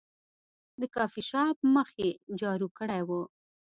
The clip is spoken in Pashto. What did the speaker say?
د کافي شاپ مخ یې جارو کړی و.